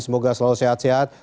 semoga selalu sehat sehat